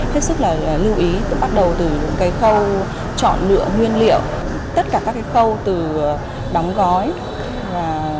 hết sức là lưu ý bắt đầu từ cái khâu chọn lựa nguyên liệu tất cả các cái khâu từ đóng gói và